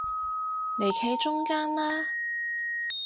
嚟企中間啦